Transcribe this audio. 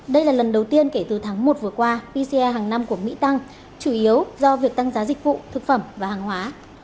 đây là lần đầu tiên kể từ tháng một vừa qua pcr hàng năm của mỹ tăng chủ yếu do việc tăng giá dịch vụ thực phẩm và hàng hóa